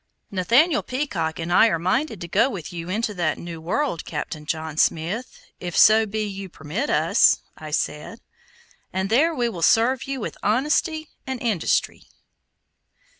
"Nathaniel Peacock and I are minded to go with you into that new world, Captain John Smith, if so be you permit us," I said, "and there we will serve you with honesty and industry."